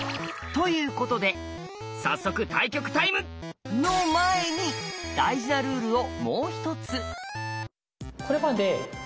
早速対局タイム！の前に大事なルールをもう一つ。